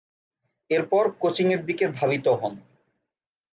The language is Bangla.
এরপর কোচিংয়ের দিকে ধাবিত হন।